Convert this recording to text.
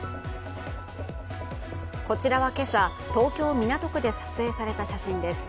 こちらは今朝、東京・港区で撮影された写真です。